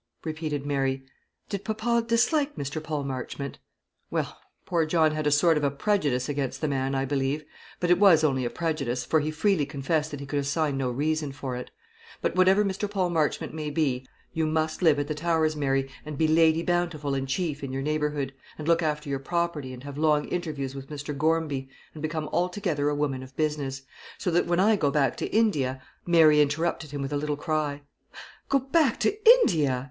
repeated Mary. "Did papa dislike Mr. Paul Marchmont?" "Well, poor John had a sort of a prejudice against the man, I believe; but it was only a prejudice, for he freely confessed that he could assign no reason for it. But whatever Mr. Paul Marchmont may be, you must live at the Towers, Mary, and be Lady Bountiful in chief in your neighbourhood, and look after your property, and have long interviews with Mr. Gormby, and become altogether a woman of business; so that when I go back to India " Mary interrupted him with a little cry: "Go back to India!"